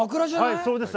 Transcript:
そうです。